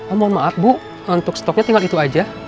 oh mohon maaf bu untuk stoknya tinggal itu aja